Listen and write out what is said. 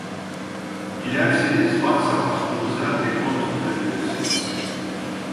Dilerseniz WhatsApp hattımıza dekont atabilirsiniz